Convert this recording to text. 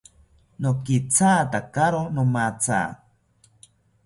Nokithatakawo nomatha